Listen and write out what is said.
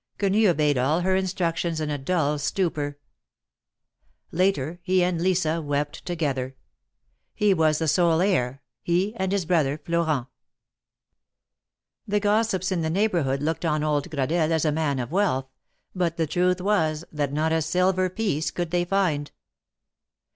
Quenii obeyed all her instructions in a dull stupor; later, he and Lisa wej)t together. He was the sole heir — he and his brother Florent. The gossips in the neighborhood looked on old Gradelle as a man of wealth, but the truth was, that not a silver piece could they find.